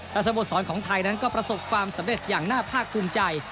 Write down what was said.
แต่สโมสรของไทยนั้นก็ประสบความสำเร็จอย่างน่าภาคภูมิใจ